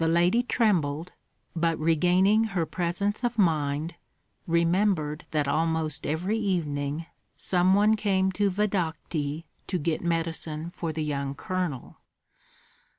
The lady trembled, but regaining her presence of mind, remembered that almost every evening some one came to Vodokty to get medicine for the young colonel.